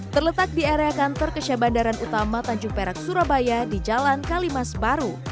terletak di area kantor kesia bandaran utama tanjung perak surabaya di jalan kalimas baru